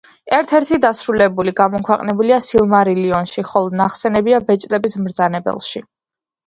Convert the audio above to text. ერთ-ერთი დასრულებული გამოქვეყნებულია „სილმარილიონში“, ხოლო ნახსენებია „ბეჭდების მბრძანებელში“.